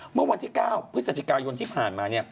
เมื่อวันที่๙พฤศจิกายนที่ผ่านมา